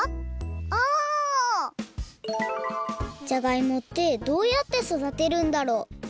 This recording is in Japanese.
じゃがいもってどうやってそだてるんだろう？